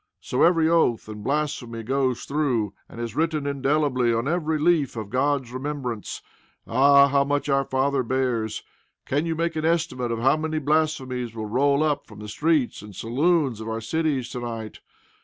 So every oath and blasphemy goes through, and is written indelibly on every leaf of God's remembrance. Ah! how much our Father bears! Can you make an estimate of how many blasphemies will roll up from the streets and saloons of our cities to night?